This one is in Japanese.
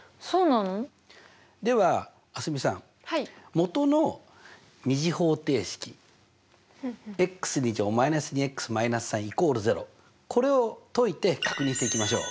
もとの２次方程式−２−３＝０これを解いて確認していきましょう。